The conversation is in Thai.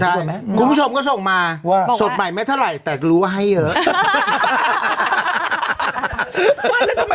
เมื่อกลุ่มผู้ชมก็ส่งมาสดใหม่ไม่เท่าไรแต่ก็รู้ว่าให้เยอะ